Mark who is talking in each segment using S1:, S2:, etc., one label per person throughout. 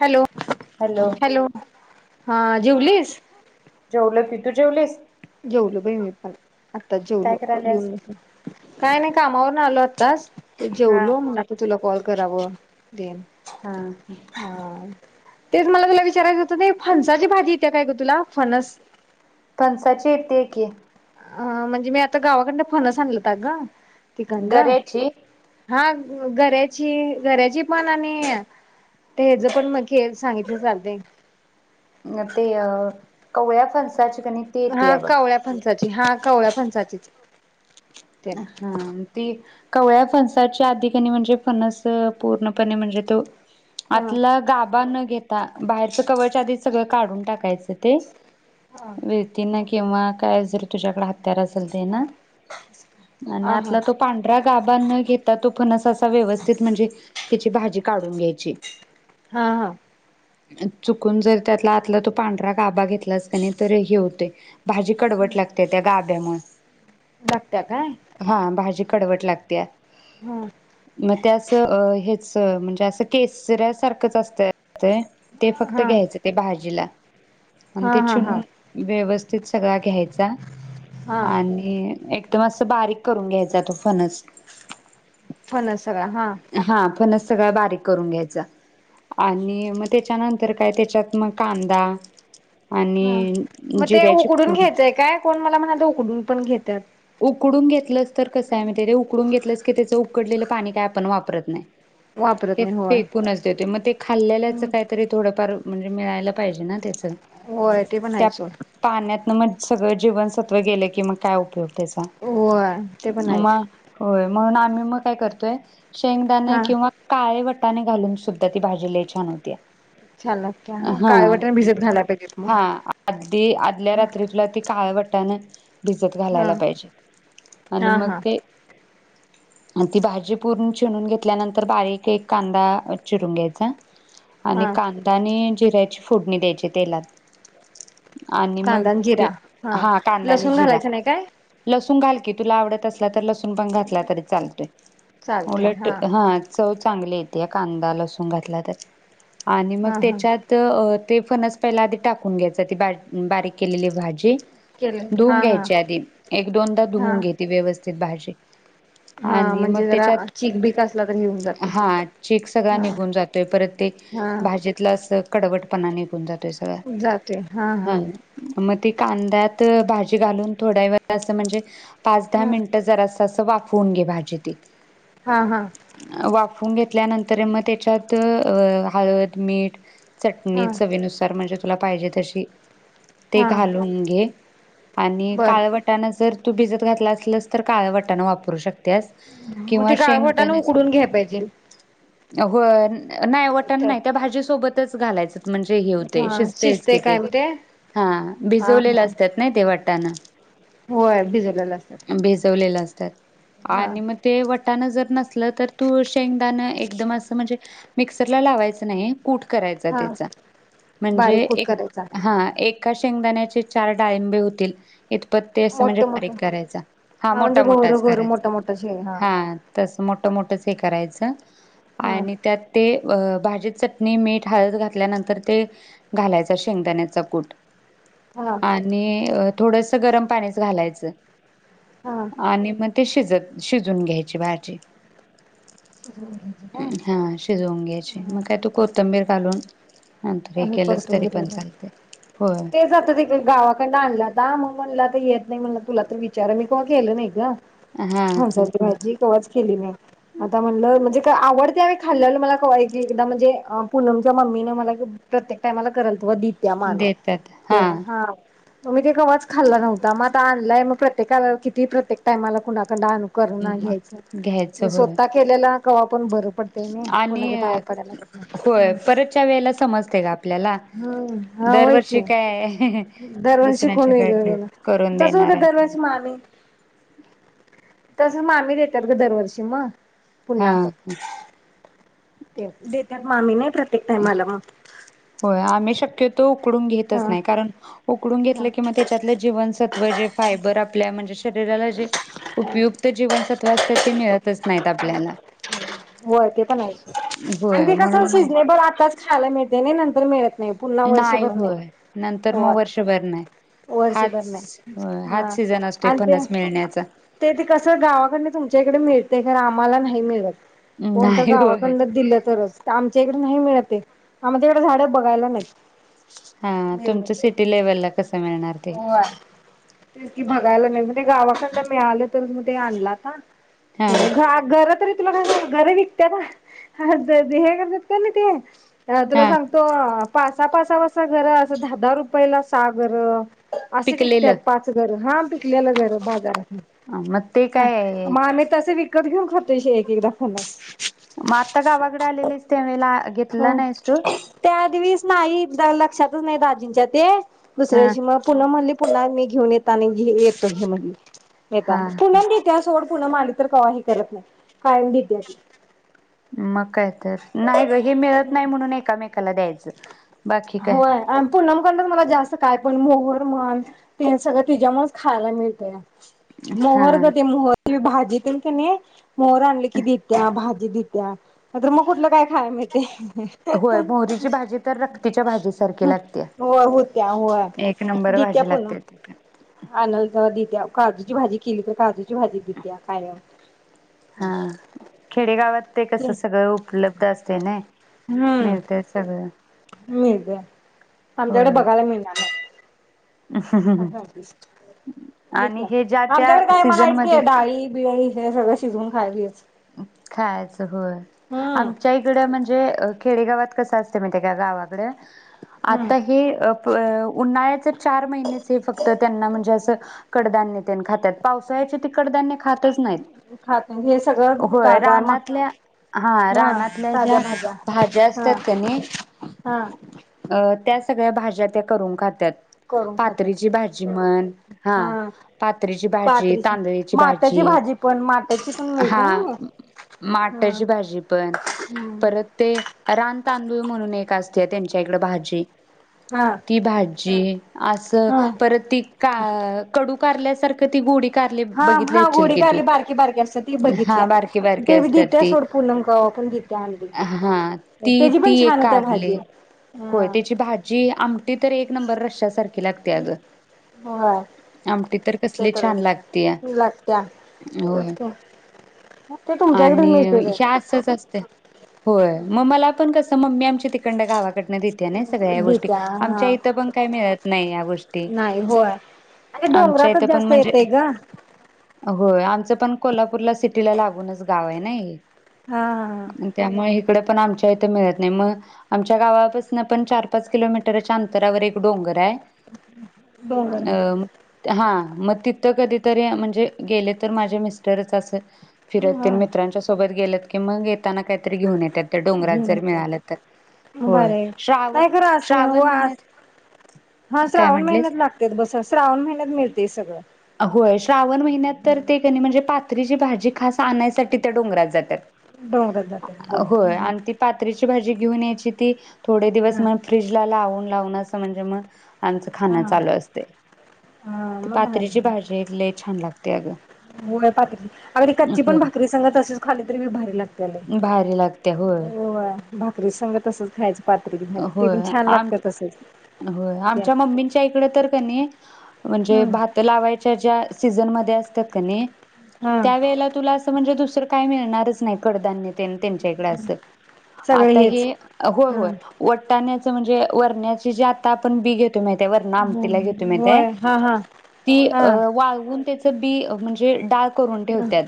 S1: Hello hello हा जेवलीस?
S2: जेवलं की तू जेवलिस?
S1: जेवलो बई मी पण आत्ताच जेवलो
S2: काय
S1: जेऊन
S2: करायल्यास?
S1: काय नाही कामावरून आलो आत्ता [unintelligible] ते
S2: हा.
S1: जेवलो म्हणून तुला आता कॉल करावं. ते
S2: हा
S1: हा तेच मला तुला विचारायचं होतं ते फणसाची भाजी येत्या काय ग तुला फणस
S2: फणसाची येते की.
S1: अ म्हणजे मी आता गावाकडनं फणस आणलता ग
S2: गऱ्याची
S1: हा गऱ्याची गऱ्याची पण आणि ते हेच पण मग केळीच सांगितलं तर चालतय
S2: ते कवळ्या फणसाची कणी ती
S1: हा
S2: येतीया बघ.
S1: कवळ्या फणसाची हा कवळ्या फणसाचीच तेन
S2: हा ते कवळ्या फणसाच्या आधी कनी म्हणजे फणस पूर्णपणे म्हणजे तो
S1: हा
S2: आतला गाबा न घेता बाहेरच कवच आधी सगळं काढून टाकायचं ते वेळती नाही किंवा काय जर तुझ्याकडे हात त्याला असेल ते ना आणि
S1: हा हा.
S2: आतला तो पांढरा गाभा न घेता तो फणस असा व्यवस्थित म्हणजे त्याची भाजी काढून घ्यायची.
S1: हा हा
S2: चुकून जर त्यातला आतला तो पांढरा गाबा घेतलास का नाही तर हे होते. भाजी कडवट लागते त्या गाभ त्यामुळे
S1: लागत्या काय?
S2: कडवट लागतेया
S1: हा
S2: म त्यात च हेच म्हणजे अस केसर्या सारखंच असतंय ते ते फक्त
S1: हा
S2: घ्यायचं ते भाजीला आणि
S1: हा
S2: ते
S1: हा हा
S2: चिणून व्यवस्थित सगळा घ्यायच ता
S1: हा
S2: आणि एक तो असा बारीक करून घ्यायचा तो फणस
S1: फणस सगळा हा
S2: सगळं बारीक करून घ्यायच आणि मग त्याच्यानंतर काय त्याच्यात मग कांदा
S1: हा
S2: आणि
S1: मग ते
S2: जिऱ्याची
S1: उकडून
S2: फोडणी
S1: घ्यायचंय काय कोण मला म्हणात उकडून पण घेतात.
S2: उकडून घेतलंच तर कस आहे माहिती आहे काय उकडून घेतलस की त्याच उकडलेलं पाणी काय आपण वापरत नाही.
S1: वापरत
S2: ते
S1: नाही होय
S2: फेकूनच देते मग ते खाल्लेल्याच काहीतरी थोडंफार म्हणजे मिळायला पाहिजे ना त्याच
S1: होय ते पण आहे सोड
S2: पाण्यातन मग सगळं जीवनसत्व गेलं की मग काय उपयोग त्याचा
S1: होय तेपण आहेच
S2: मग होय म्हणून आम्ही मग काय करतोय शेंगदाणे
S1: हा
S2: किंवा काळे वट वाटाणे घालून सुद्धा ती भाजीलय छान होतीया
S1: छान लागत्या
S2: हा,
S1: काळे वाटाणे भिजत घालाय पाहिजेत मग
S2: हा आदी आदल्या रात्री तुला ती काळ वाट टाणे भिजत
S1: हा
S2: घालायला पाहिजे आणि
S1: हा
S2: मग
S1: हा
S2: ते आणि ती भाजी पूर्ण चिणून घेतल्यानंतर बारीक एक कांदा चिरून घ्यायचा आणि
S1: हा
S2: कांदा आणि जिऱ्या फोडणी द्यायची तेलात आणि मग
S1: कांदान
S2: ते
S1: जिरा हा लसूण घालायचं नाही काय
S2: लसून घाल की तुला आवडत असला तर लसून पण घातला तरी चालतोय उलट हा चव चांगले येते कांदा लसून घातला तर. आणि मग
S1: हा हा
S2: त्याच्यात अ ते फणस पहिला आधी टाकून घ्यायचं ती बा बारीक केलेली भाजी.
S1: केले
S2: धुऊन
S1: हा हा
S2: घ्यायच्या आधी. एक दोनदा
S1: हा
S2: धुऊून घे ती व्यवस्थित भाजी. [inaudible]
S1: हा
S2: आणि मग
S1: म्हणजे जरा चीक बीक असला तर घेऊन
S2: त्याच्यात
S1: जाते
S2: हा चीक सगळां
S1: हा
S2: निघून जातोय परत ते
S1: हा
S2: भाजीतलं अस कडवट पना निघून जात.
S1: जाते हा हा!
S2: म ती कांद्यात भाजी घालून थोड्या व असं म्हणजे पाच दहा
S1: हा
S2: मिनटं जर असं असं वाक फोन घे भाजे ती.
S1: हा हा
S2: धुन घेतल्यानंतर म त्याच्यात अ हळद मीठ. चटणी
S1: हा
S2: चवीनुसार म्हणजे. तुला पाहिजे तशी. ते
S1: हा
S2: घालून घे. आणि
S1: बर
S2: कालवट जर तू भिजत घातला असलस तर काळं वटाण वापरू शकतेस.
S1: मग ते काळवटान उकडून घ्याय पाहिजे.
S2: होय नाही वटण नाही त्या
S1: त्यात
S2: भाजीसोबत तच घालायच. म्हणजे हे होते
S1: हा
S2: शिजतेच
S1: शिजते
S2: की
S1: काय
S2: ते
S1: मग
S2: हा
S1: हा
S2: भिजवलेल
S1: हा
S2: असतात नाही ते वाटा. त्यान.
S1: होय भिजत घालत असतात.
S2: तर
S1: हा
S2: आणि म ते वट वटाण जर नसल तर तूळ शेंगदाण एकदम असं म्हणजे मिक्सर ला लावायचं नाही. कूठ करायचा
S1: हा
S2: त्याचा म्हणजे
S1: बारीक कूट
S2: एक
S1: करायचा
S2: हा एक. एका शेंगदाण्याचे चार डाळिंबे होतील इत ते असं म्हणजे
S1: मोठं मोठं
S2: बारीक करायच हा
S1: म्हणजे
S2: मोठा
S1: गोहरं
S2: मोठाच
S1: गोहरं
S2: करायचा
S1: मोठं मोठं शे
S2: हा तसं मोठ मोठंच हे करायचं. तर
S1: हा
S2: आणि त्यात ते अ भाजी चटणी मीठ हळद घातल्यानंतर ते घालायचा शेंगदाण्याचा कूट
S1: हा
S2: आणि अ थोडंस त गरम पाणीच घालायचं
S1: हा
S2: आणि म ते शिजत शिजून घ्यायचे भाजी हा शिजवून घ्यायची मग काय तू कोथंबीर घालून नंतर हे
S1: आम्ही
S2: केलंच
S1: परतून
S2: तरी
S1: घेतले
S2: पण
S1: न,
S2: चालते होय
S1: ते जाते तिकडे गावाकडण आणला द मग म्हणला काय येत नाही म्हण तुला तर विचारा मी कॉल केलं नाही का?
S2: हा
S1: होऊन
S2: हा
S1: जाईल की भाजी कवाच केली नाही आता म्हणलं म्हणजे काय आवडतेन खाल्लेला मला कवायची एकदा म्हणजे अ पूनमच्या मम्मीने मला प्रत्येक टाइमाला करल व दित्या माने तेने हा म मी ते कवाच खाल्ला नव्हता म आता आणलाय म प्रत्येकाला किती प्रत्येक टायमाला कुणा कडाणूकरुणा
S2: म
S1: घ्यायचा
S2: घ्यायचं
S1: मी
S2: होय
S1: स्वत केलेला कवा पण बरं पडतंय नाही
S2: आणि
S1: कोणाच्या बाहेर पडायला लागत नाही.
S2: होय परतच्या वेळेला समज असते ग आपल्याला
S1: हम्म हा होय
S2: दरवर्षी
S1: की.
S2: काय
S1: दरवर्षी कोण
S2: दुसऱ्यांच्या
S1: वेगळं
S2: कडनं
S1: गेलं
S2: करून
S1: तसं
S2: देणार
S1: होतं
S2: आहे की
S1: दरवर्षी मामी तसं मामी देतात गं दरवर्षी म
S2: हा
S1: ते देत्यात मामी नाही प्रत
S2: होय आमेश शक्यतो उकडून घेतच
S1: हा
S2: नाही कारण उक उकडून घेतलं किं
S1: हा
S2: म त्याच्यातलं जीवनसत्व जे फायबर आपल्या म जे शरीराला जे उपयुक्त जीवनसत्व असतात ते मिळत अस नाहीत आपल्याला
S1: होय ते पण आहेच आणि
S2: होय
S1: ते
S2: म्हणून
S1: कसं
S2: मग
S1: सीझनेबल आताच खाला मिळते नाही नंतर मिळत नाही पुन्हा
S2: नाही
S1: वर्षभर
S2: होय
S1: नाही
S2: नंतर
S1: हो
S2: मग वर्षभर नाही
S1: वर्षभर
S2: हाच
S1: नाही
S2: होय,
S1: हा
S2: हाच सीझन असतोय
S1: आणि ते
S2: फणस मिळण्याचा
S1: ते ते कसं गावाकडनं तुमच्या इकडे मिळते कार आम्हाला नाही मिळत कोणत
S2: नाही होय
S1: गावाकडन दिलं तरच त आमच्या तरं नाही मिळत ते आमच्या कड झाड बघायला नाहीत.
S2: हा तुमच सिटी लेव्हल ला कस मिळणार. ते
S1: व्हय तेच की बघायला नाही म्हणजे गावाकडन मिळालं तर म ते आणल आता
S2: हा
S1: घा गर तरी तुला काय गर विकत्या का त त हे करतात का न ते हं तुला
S2: हा
S1: सांगतो अ पाच असापासापासा घर असं दहा दहा रुपयेला सा घर. असे
S2: पिकलेलं
S1: विकत्यांत पाच गर हा पिकल्यालं गर
S2: मग ते
S1: बाजारातन
S2: काय
S1: मा आमी तस विक विकत घेऊन खातोय एक एकदा फणस
S2: म आत्ता गावाकड आलेलीस त्या वेळेला घेतला नाहीस तू
S1: त्या तस नाही दाजींच्या ते
S2: हा
S1: दुसऱ्यादिवशी माप म म्हणली पुन्हा मी घेऊन येतानी घेऊन येतो घे म्हणली.
S2: हा
S1: येताना
S2: हा
S1: पुनम देतिया सोड पुनम आली तर कवा हे करत नाही कायम देतिया ती
S2: मग काय तर नाही ग हे मिळत नाही म्हणून एकामेकाला द्याय चं
S1: होय आण पुणम कढणच मला जास्त काय पण मोहर म्हण तेण सगळं तिज्यामुळच खायला मिळतया.
S2: हा
S1: मोहर गं ते मोहरांची भाजी [unintelligible] मोहंर आणल की देतीया भा देतिया नायतर मग कुठलं काय खायाय मिळतय.
S2: व्हय मोहरीची भाजी तर रक्तीची
S1: व्हय होत्या व्हय
S2: एक नंबर
S1: देतिया
S2: भाजी
S1: पुनम
S2: लागते ती पण
S1: आणलं तर देतिया काजूची भाजी केली तर काजूची भाजी देतिया कायम
S2: हा खेडेगावात ते कसं सगळं उपलब्ध असतय नाय मिळतय सगळं
S1: मिळतय. आमच्याकडे
S2: होय
S1: बघायला मिळणार नाही. अ सांगतीस आहेत.
S2: आणि
S1: की
S2: हे ज्या त्या
S1: आमच्याकडे काय म
S2: सीझन
S1: हायचं. की,
S2: मध्ये
S1: हे डाळी बिळी हे सगळं शिजवून, हाय, हेच
S2: खायच. होय,
S1: हम्म
S2: आमच्याइकडं म्हणजे म्हणजे खेडेगावात कस असतय, माहिती हाय काय. गावाकड आता
S1: हम्म
S2: हे, पण, उन्हाळ्याचे चार महिनेच हे फक्त त्यांना म्हणजे असं. कडधान्यतेन खात्यात. पावसाळ्याचे तिकडं, कडधान्य खातच नाही.
S1: खात हे सगळं
S2: होय,
S1: ताजा मा
S2: रानातल्या हा रानातल्या, ज्या भाज्या असतात. कणी
S1: हा
S2: अ त्या, सगळ्या भाज्या त्या करून खातात.
S1: करून खात्यात. हा
S2: पात्रीची भाजी,
S1: पातरीची
S2: तांदळीची
S1: माटाची भाजी, पण माटाची पण मिळते, हा
S2: माट्याची भाजी पण
S1: हम्म
S2: परत, ते रानतांदूळ म्हणून एक असंत. ते, त्यांच्या इकडे भाजी
S1: हा
S2: ती, भाजी असं
S1: हा
S2: परत, ती कारली कडू कारल्यासारखं ती गोडी कारली
S1: हा
S2: बघितली
S1: हा
S2: असशील
S1: गोडी
S2: की तू
S1: कारली बारकी बारकी असतात, की ती बघित.
S2: हा बारकी बारकी
S1: तेबी
S2: असतात
S1: देतीया,
S2: ती
S1: सोड पूनम कव्हा पण देतीया आणली.
S2: हा
S1: की
S2: ती
S1: तेझी पण
S2: ती
S1: छान
S2: एक
S1: होतीया.
S2: कारली
S1: भाजी हा
S2: ती तर, एक नंबर रस्सासारखी लागतीया ग,
S1: होय
S2: आमटी तर
S1: ते
S2: कसली,
S1: तरच
S2: छान लागतीया
S1: लागत्या तेच
S2: होय.
S1: की ते तुमच्याकडे
S2: आणि
S1: मिळते काय
S2: ह्याच असते. होय, मग मला पण कसं, मम्मी आमची, तिकडं गावाकडन देतीया, ने सगळ्या या गोष्टी
S1: देत्या
S2: आमच्या
S1: हा
S2: इथं पण काही मिळत नाही. या गोष्टी
S1: नाही होय आणि
S2: आमच्या इथं
S1: डोंगरातच
S2: पण
S1: जास्त
S2: म्हणजे,
S1: येतय ग हा
S2: हो, आमचं पण कोल्हापूरला सिटी तिला लागूनच गाव आहे. नाय,
S1: हा
S2: त्यामुळे, इकडे पण आमच्या इथे मिळत नाही. मग आमच्या गावापासन पण चार पाच किलोमीटरच्या अंतरावर एक डोंगर आहे.
S1: डोंगर
S2: अ, हा मग तिथं कधीतरी म्हणजे गेले तर माझे मिस्टरच असं फिरत तेन मित्रांच्या सोबत गेलेत कि मग [unintelligible] घेऊन येतात त्या डोंगरात
S1: मग
S2: जर
S1: काय
S2: मिळालं तर
S1: मग
S2: होय
S1: भारी आह
S2: श्रावण
S1: नाहीय खरं अस हो
S2: श्रावण महिन्यात
S1: हा
S2: काय
S1: श्रावण महिन्यात
S2: म्हटलेस
S1: लागत्यात बस श्रावण महिन्यात मिळतेय सगळं
S2: होय श्रावण महिन्यात तर ते कनय म्हणजे पात त्रीची भाजी खास आणायसाठी त्या डोंगरात जात्यात.
S1: डोंगरात जातात बोल हु, हु-
S2: पात्रीची भाजी घेऊन यायची ती थोडे दिवस म फ्रीजला लावून लावूनच अस म्हणजे मग आमच खाण
S1: हा
S2: चालू असतंय,
S1: हा
S2: ते
S1: मग
S2: पात
S1: भारी
S2: त्रीची भाजी एक लई छान लाग
S1: [unintelligible] अगदी कच्ची पण
S2: होय
S1: भाकरी संग तशीच खाल्ली तरी बी भारी लागत्या
S2: भारी लागते
S1: लई होय भा करी संग तसच खायचं पातळी भाजी ते
S2: होय
S1: पण
S2: होय
S1: छान
S2: आम
S1: लागतं तसंच
S2: होय
S1: ते
S2: आमच्या मम्मींच्या इकड तर कनय म्हणजे
S1: हम्म
S2: भात लावायच्या ज्या सीझनमध्ये असत्यात कनय
S1: हा
S2: त्या वेळेला तुला असं म्हणजे दुस रं काय मिळणारच नाय कडधान्य तेनं त्यांच्या इकडं अस
S1: सगळे
S2: आता हे
S1: हेच
S2: होय,
S1: हा
S2: होय [unintelligible] म्हणजे वरन्याची जी आत्ता आपण बी घेत माहितीय वरना आमटीला घेतोय माहितेय
S1: होय हा हा
S2: ती
S1: हा
S2: अ वाळवून तेच बी म्हणजे डा करून ठेवत्यात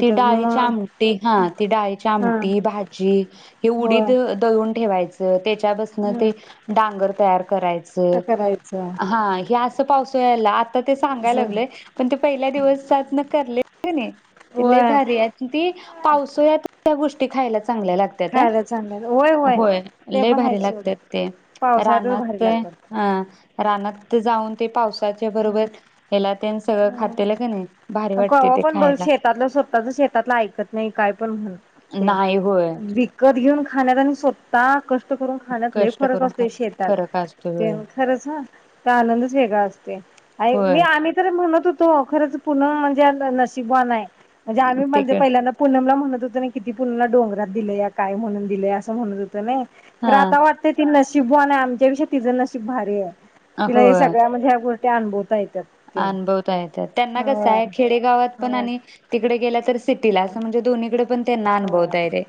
S2: ती डाळीच्या
S1: मग
S2: आमटी हा ती डाळीची
S1: हा
S2: आमटी भाजी हे
S1: होय
S2: उडीद दळून ठेवायचं. हो त्याच त्या पासणं ते
S1: ह
S2: डांगर तयार
S1: तर
S2: करायचं
S1: करायचं
S2: हा हे असं पावसुळ्याला आता ते सांगाय
S1: असं
S2: लागलोय पण ते पहिल्या दिवसातनं करलंय कने ते लई
S1: होय
S2: भारी हाय ती पावसुळ्यात ह्या गोष्ट ते खायलाच
S1: खायला चांगल्या वय, वय
S2: लई भारी लागत्यात ते रानात
S1: भारी लागतात
S2: अ रानात ते जाऊन ते पाऊसा
S1: हा
S2: खातेलं का नाही भारी
S1: हा
S2: वाटते
S1: कवा
S2: ते
S1: पण बघ
S2: खायला
S1: शेतातलं स्वतःच शेतातलं ऐकत नाय काय पण म्हण तेण
S2: नाही होय
S1: विकत घेऊन खाण्यात आणि स्वता क करून खाण्यात लई
S2: कष्ट
S1: फरक
S2: करून
S1: असतोय
S2: खाण
S1: शेतात
S2: फरक असतो
S1: ते
S2: होय
S1: खरच हं त आनंदच वेगळा अस मी
S2: होय
S1: आम्ही तर म्हणत होतो खरंच पुणं न म्हणजे नशिबानाय म्हणजे आम्ही म्हणजे
S2: तिकड
S1: पहिल्यांदा पूनमला म्हणत होतो तसं नाही किती पुनीला डोंगरात दिलया, काय म्हणून दिलय असं म्हणत होता नइ खरं आता
S2: हा
S1: वाटतय तीन बवानाय आमच्यापेक्षा तिज नशीब भारी हाय तिला ह्या सगळ्या म्हणजे या गोष ते अनभवता येतं
S2: अनभवता येत्यात त्यांना कसं हाय खेडेगावात पण
S1: होय
S2: आणि तिकडे गेल्या तर स तीटीला
S1: होय
S2: अस म्हणजे दोन्ही कड त्यांना
S1: होय
S2: अनुभवता येतय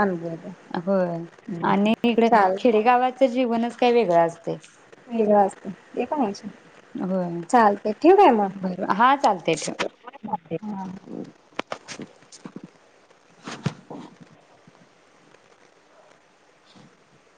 S1: अनुभव
S2: होय
S1: हम्म
S2: आणि इकड
S1: चाल
S2: खेडेगाव जीवनच काही वेगळं असतंय
S1: वेगळ असतय ते पण हाय
S2: होय
S1: सोड चाल ठेवू काय
S2: बरोबर हा चालते ठेव
S1: मग
S2: [inaudible] [inaudible]